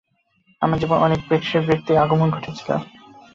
আমার জীবনে অনেক বিশেষ ব্যাক্তির আগমন ঘটেছিল।